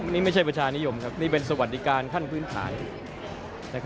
นี่ไม่ใช่ประชานิยมครับนี่เป็นสวัสดิการขั้นพื้นฐาน